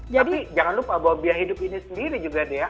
jadi jangan lupa bahwa biaya hidup ini sendiri juga deh ya